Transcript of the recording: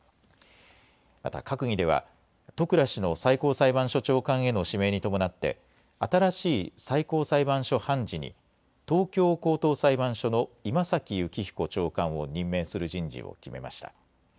また閣議では戸倉氏の最高裁判所長官への指名に伴って新しい最高裁判所判事に東京高等裁判所の今崎幸彦長官を任命する人事を決めました。